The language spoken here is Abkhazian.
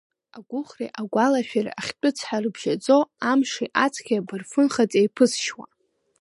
Агәыӷреи агәалашәареи ахьтәы цҳа рыбжьазҵо, амши-аҵхи абырфын хац еиԥызшьуа…